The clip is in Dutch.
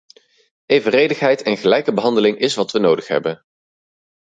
Evenredigheid en gelijke behandeling is wat we nodig hebben.